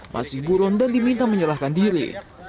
masih buron dan diminta menyerahkan diri